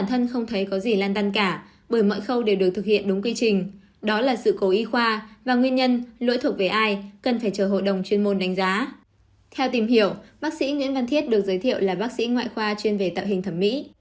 theo tìm hiểu bác sĩ nguyễn văn thiết được giới thiệu là bác sĩ ngoại khoa chuyên về tạo hình thẩm mỹ